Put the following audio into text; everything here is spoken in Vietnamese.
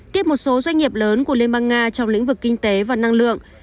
tiếp một số doanh nghiệp lớn của liên bang nga trong lĩnh vực kinh tế và năng lượng